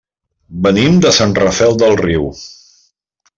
Venim de Sant Rafel del Riu.